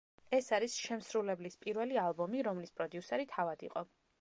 ეს არის შემსრულებლის პირველი ალბომი, რომლის პროდიუსერი თავად იყო.